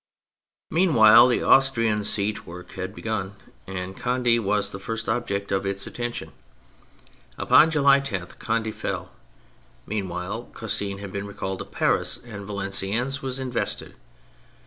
Meanwhile, the Austrian siege work had begun, and Conde was the first object of its attention. Upon July 10 Conde fell. Mean while Custine had been recalled to Paris, and Valenciennes was invested.